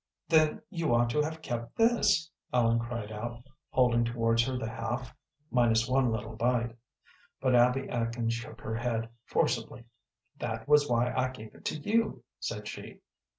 "Then you ought to have kept this," Ellen cried out, holding towards her the half, minus one little bite. But Abby Atkins shook her head forcibly. "That was why I gave it to you," said she.